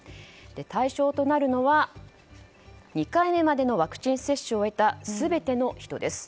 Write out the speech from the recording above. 対象となるのは２回目までワクチン接種を終えた全ての人です。